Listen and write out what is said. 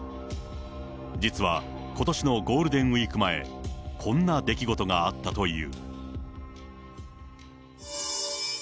実はことしのゴールデンウィーク前、こんな出来事があったという。